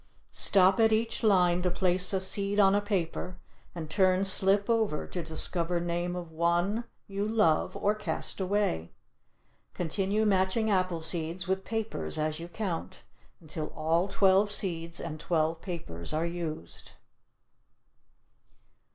Stop at each line to place a seed on a paper, and turn slip over to discover name of one you love or cast away. Continue matching apple seeds with papers as you count, until all twelve seeds and twelve papers are used.